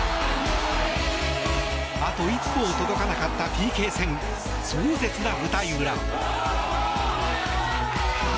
あと一歩届かなかったＰＫ戦壮絶な舞台裏。